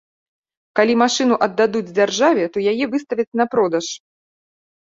Калі машыну аддадуць дзяржаве, то яе выставяць на продаж.